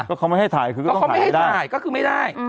ก็เขาไม่ให้ถ่ายคือก็ต้องถ่ายไม่ได้ก็เขาไม่ให้ถ่ายก็คือไม่ได้